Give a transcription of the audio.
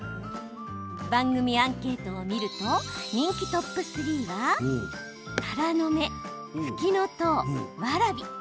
番組アンケートを見ると人気トップ３はたらの芽、ふきのとう、わらび。